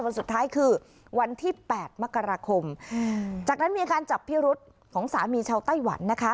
วันสุดท้ายคือวันที่๘มกราคมจากนั้นมีอาการจับพิรุษของสามีชาวไต้หวันนะคะ